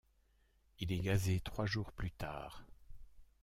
Il est gazé trois jours plus tard.